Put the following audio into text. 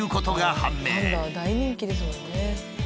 パンダは大人気ですもんね。